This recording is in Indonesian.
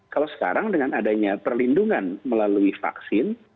kalau sekarang dengan adanya perlindungan melalui vaksin